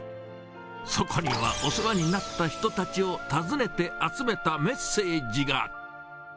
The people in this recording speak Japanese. そこにはお世話になった人たちを訪ねて集めたメッセージが。